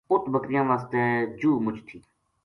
اُت بکریاں واسطے جُوہ مُچ تھی